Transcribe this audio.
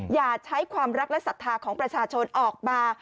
อย่าใช้ความรักและศรัทธาของประชาชนออกมา